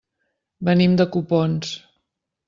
Venim de Copons.